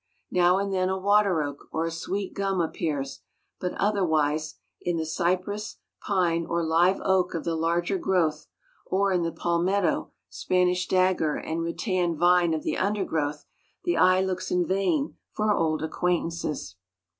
Now and then a water oak or a sweet gum appears; but otherwise in the cypress, pine or live oak of the larger growth, or in the palmetto, Spanish dagger and rattan vine of the undergrowth, the eye looks in vain for old acquaintances.